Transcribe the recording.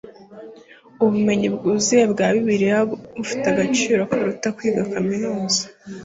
ubumenyi bwuzuye bwa bibiliya bufite agaciro kuruta kwiga kaminuza